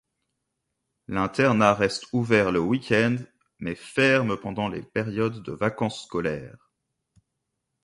L'internat reste ouvert le week-end, mais ferme pendant les périodes de vacances scolaires.